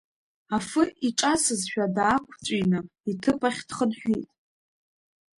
Афы иҿасызшәа даақәҵәины, иҭыԥ ахь дхынҳәит.